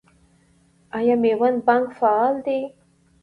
آیا میوند بانک فعال دی؟